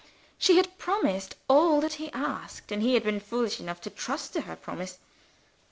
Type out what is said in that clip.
She had promised all that he asked and he had been foolish enough to trust to her promise.